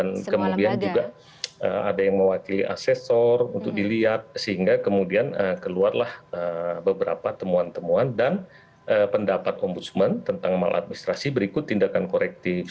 dan kemudian juga ada yang mewakili asesor untuk dilihat sehingga kemudian keluar lah beberapa temuan temuan dan pendapat om busman tentang maladministrasi berikut tindakan korektif